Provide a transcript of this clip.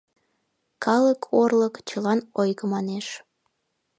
— Калык орлык — чылан ойго, — манеш.